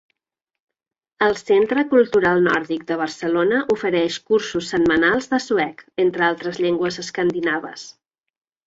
El Centre Cultural Nòrdic de Barcelona ofereix cursos setmanals de suec, entre altres llengües escandinaves.